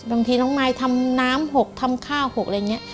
บางทีน้องมายทำน้ำ๖ทำข้าว๖อะไรอย่างนี้